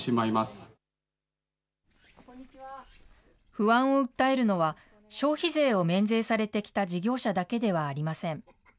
不安を訴えるのは、消費税を免税されてきた事業者だけではありません。